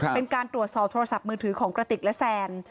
เป็นการตรวจสอบโทรศัพท์มือถือของกระติกและแซน